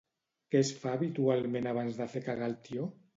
Què es fa habitualment abans de fer cagar el tió?